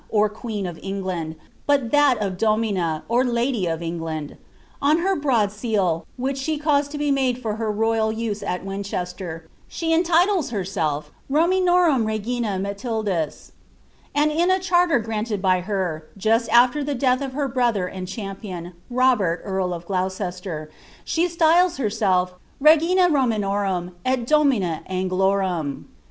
or queen of England, bat (hu of domina, or lady of England. On her broad seal, which she eaaxd to be made for her royal use at Winchester, she entitles herseli', ■■ KooN uorum Regina Mactliildis ;" and in a charier granted by her, just oAcf the death of her brother and champion, Robert earl of Gloucealer, ibt styles lierself ''' Regiua Romaiioruni, ci Domina Angloruni."